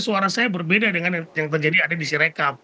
suara saya berbeda dengan yang terjadi ada di sirekap